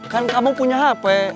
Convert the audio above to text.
kan kamu punya hp